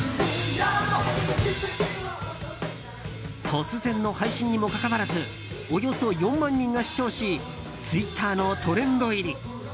突然の配信にもかかわらずおよそ４万人が視聴しツイッターのトレンド入り。